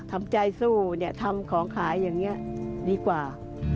ทำใจสู้เนี่ยทำของขายอย่างนี้ดีกว่า